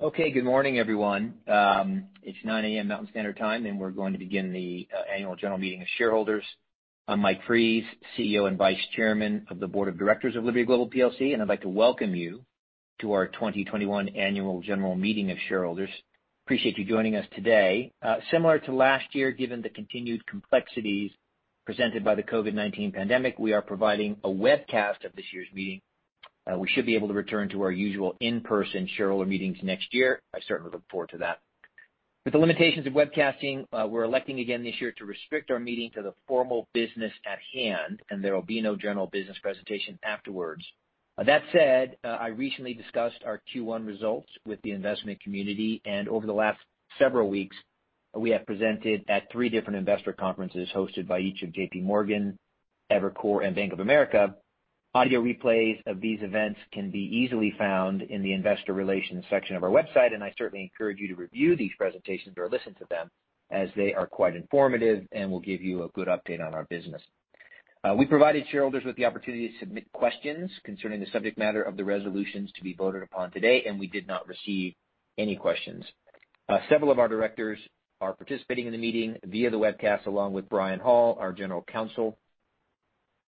Okay, good morning everyone. It's 9:00 A.M. Mountain Standard Time, and we're going to begin the annual general meeting of shareholders. I'm Mike Fries, CEO and Vice Chairman of the Board of Directors of Liberty Global PLC, and I'd like to welcome you to our 2021 Annual General Meeting of Shareholders. Appreciate you joining us today. Similar to last year, given the continued complexities presented by the COVID-19 pandemic, we are providing a webcast of this year's meeting. We should be able to return to our usual in-person shareholder meetings next year. I certainly look forward to that. With the limitations of webcasting, we're electing again this year to restrict our meeting to the formal business at hand, and there will be no general business presentation afterwards. That said, I recently discussed our Q1 results with the investment community, and over the last several weeks, we have presented at three different investor conferences hosted by each of JPMorgan, Evercore and Bank of America. Audio replays of these events can be easily found in the Investor Relations section of our website, and I certainly encourage you to review these presentations or listen to them as they are quite informative and will give you a good update on our business. We provided shareholders with the opportunity to submit questions concerning the subject matter of the resolutions to be voted upon today, and we did not receive any questions. Several of our directors are participating in the meeting via the webcast, along with Bryan Hall, our general counsel.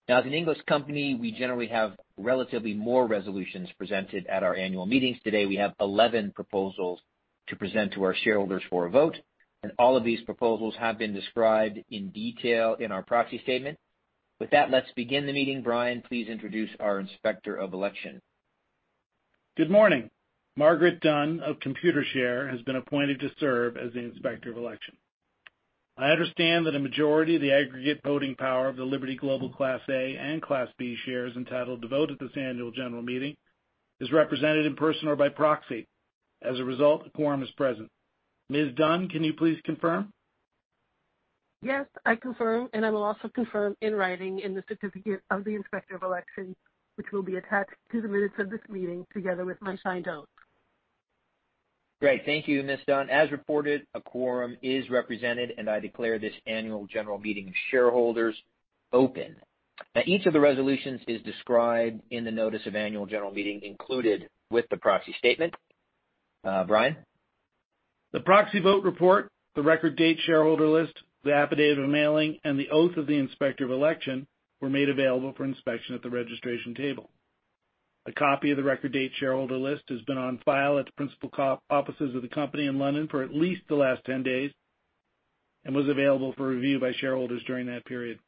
As an English company, we generally have relatively more resolutions presented at our annual meetings. Today, we have 11 proposals to present to our shareholders for a vote, and all of these proposals have been described in detail in our proxy statement. With that, let's begin the meeting. Bryan, please introduce our inspector of election. Good morning. Margaret Dunn of Computershare has been appointed to serve as the Inspector of Election. I understand that a majority of the aggregate voting power of the Liberty Global Class A and Class B shares entitled to vote at this annual general meeting is represented in person or by proxy. As a result, a quorum is present. Ms. Dunn, can you please confirm? Yes, I confirm, and I will also confirm in writing in the Certificate of the Inspector of Election, which will be attached to the minutes of this meeting together with my signed notes. Great, thank you, Ms. Dunn. As reported, a quorum is represented, and I declare this annual general meeting of shareholders open. Now, each of the resolutions is described in the notice of annual general meeting included with the proxy statement. Bryan? The proxy vote report, the record date shareholder list, the affidavit of mailing, and the oath of the inspector of election were made available for inspection at the registration table. A copy of the record date shareholder list has been on file at the principal offices of the company in London for at least the last 10 days and was available for review by shareholders during that period.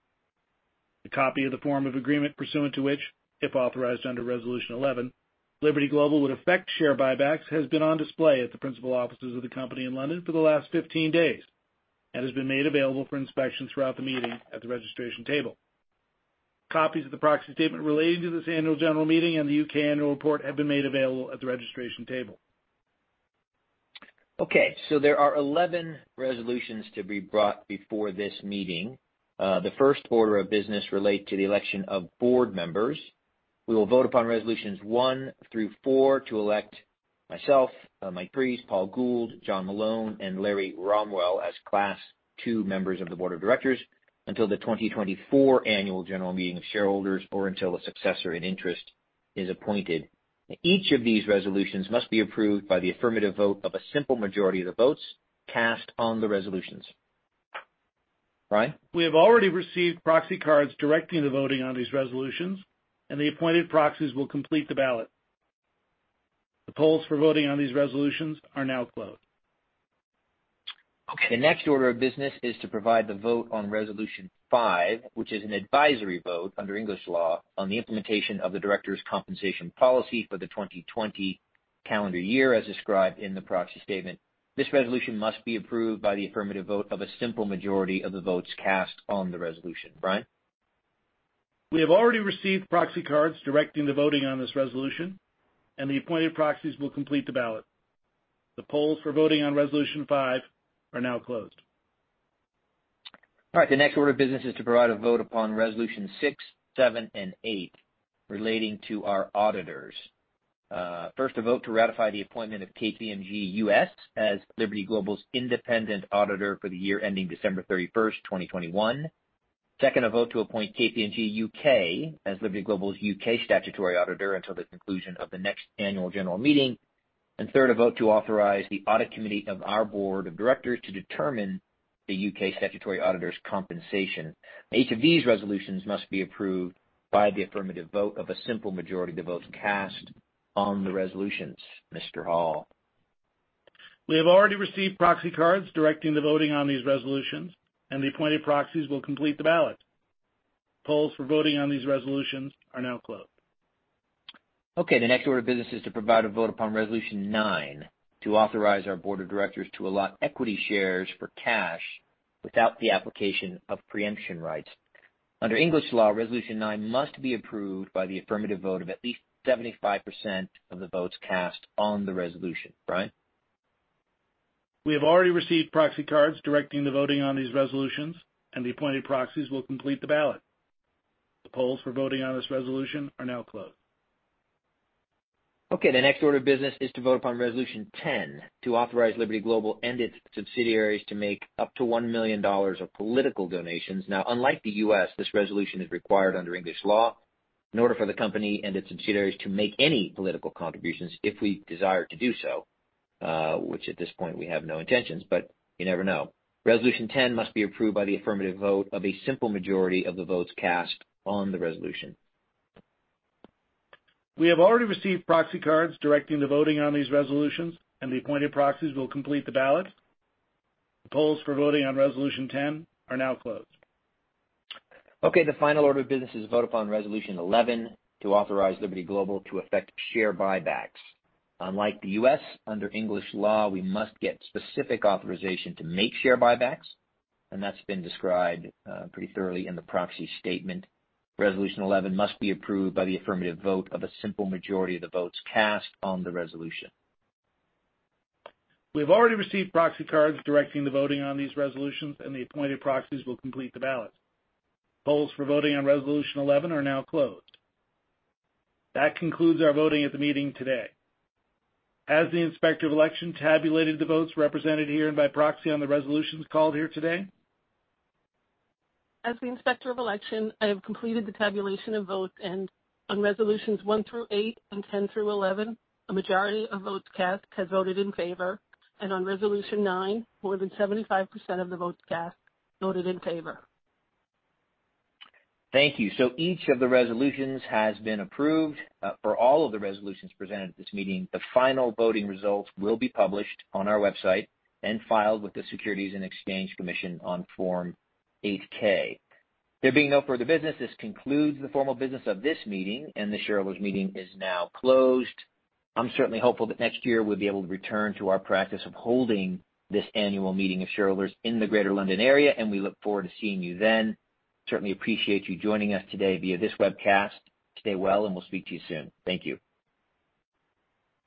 A copy of the form of agreement pursuant to which, if authorized under Resolution 11, Liberty Global would affect share buybacks has been on display at the principal offices of the company in London for the last 15 days and has been made available for inspection throughout the meeting at the registration table. Copies of the proxy statement relating to this annual general meeting and the U.K. annual report have been made available at the registration table. Okay, so there are 11 resolutions to be brought before this meeting. The first order of business relates to the election of board members. We will vote upon Resolutions 1 through 4 to elect myself, Mike Fries, Paul Gould, John Malone, and Larry Romrell as Class II members of the Board of Directors until the 2024 Annual General Meeting of Shareholders or until a successor in interest is appointed. Each of these resolutions must be approved by the affirmative vote of a simple majority of the votes cast on the resolutions. Bryan? We have already received proxy cards directing the voting on these resolutions, and the appointed proxies will complete the ballot. The polls for voting on these resolutions are now closed. Okay, the next order of business is to provide the vote on Resolution 5, which is an advisory vote under English law on the implementation of the directors' compensation policy for the 2020 calendar year as described in the proxy statement. This resolution must be approved by the affirmative vote of a simple majority of the votes cast on the resolution. Bryan? We have already received proxy cards directing the voting on this resolution, and the appointed proxies will complete the ballot. The polls for voting on Resolution 5 are now closed. All right, the next order of business is to provide a vote upon Resolution 6, 7, and 8 relating to our auditors. First, a vote to ratify the appointment of KPMG U.S. as Liberty Global's independent auditor for the year ending December 31st, 2021. Second, a vote to appoint KPMG U.K. as Liberty Global's U.K. Statutory Auditor until the conclusion of the next annual general meeting. And third, a vote to authorize the audit committee of our board of directors to determine the U.K. statutory auditor's compensation. Each of these resolutions must be approved by the affirmative vote of a simple majority of the votes cast on the resolutions, Mr. Hall. We have already received proxy cards directing the voting on these resolutions, and the appointed proxies will complete the ballot. Polls for voting on these resolutions are now closed. Okay, the next order of business is to provide a vote upon Resolution 9 to authorize our board of directors to allot equity shares for cash without the application of preemption rights. Under English law, Resolution 9 must be approved by the affirmative vote of at least 75% of the votes cast on the resolution. Bryan? We have already received proxy cards directing the voting on these resolutions, and the appointed proxies will complete the ballot. The polls for voting on this resolution are now closed. Okay, the next order of business is to vote upon Resolution 10 to authorize Liberty Global and its subsidiaries to make up to $1 million of political donations. Now, unlike the U.S., this resolution is required under English law in order for the company and its subsidiaries to make any political contributions if we desire to do so, which at this point we have no intentions, but you never know. Resolution 10 must be approved by the affirmative vote of a simple majority of the votes cast on the resolution. We have already received proxy cards directing the voting on these resolutions, and the appointed proxies will complete the ballot. The polls for voting on Resolution 10 are now closed. Okay, the final order of business is to vote upon Resolution 11 to authorize Liberty Global to effect share buybacks. Unlike the U.S., under English law, we must get specific authorization to make share buybacks, and that's been described pretty thoroughly in the proxy statement. Resolution 11 must be approved by the affirmative vote of a simple majority of the votes cast on the resolution. We have already received proxy cards directing the voting on these resolutions, and the appointed proxies will complete the ballot. Polls for voting on Resolution 11 are now closed. That concludes our voting at the meeting today. Has the inspector of election tabulated the votes represented here and by proxy on the resolutions called here today? As the inspector of election, I have completed the tabulation of votes, and on Resolutions 1 through 8 and 10 through 11, a majority of votes cast has voted in favor, and on Resolution 9, more than 75% of the votes cast voted in favor. Thank you. So each of the resolutions has been approved. For all of the resolutions presented at this meeting, the final voting results will be published on our website and filed with the Securities and Exchange Commission on Form 8-K. There being no further business, this concludes the formal business of this meeting, and the shareholders' meeting is now closed. I'm certainly hopeful that next year we'll be able to return to our practice of holding this annual meeting of shareholders in the greater London area, and we look forward to seeing you then. Certainly appreciate you joining us today via this webcast. Stay well, and we'll speak to you soon. Thank you.